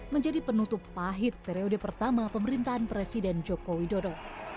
menjadi penutup pahit periode pertama pemerintahan presiden joko widodo